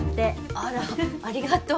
あらありがとう。